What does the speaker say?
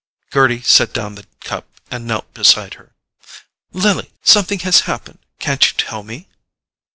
Gerty set down the cup and knelt beside her. "Lily! Something has happened—can't you tell me?"